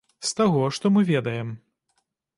З таго, што мы ведаем.